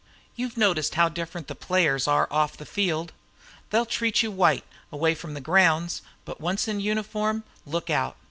You've noticed how different the players are off the field. They'll treat you white away from the grounds, but once in uniform, lookout!